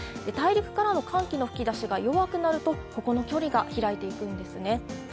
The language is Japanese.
大陸からの寒気の吹き出しが弱くなるとここの距離が開いていくんですね。